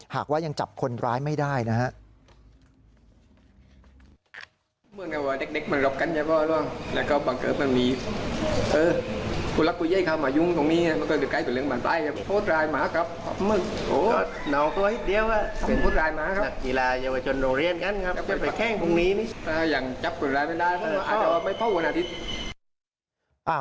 หากว่ายังจับคนร้ายไม่ได้นะครับ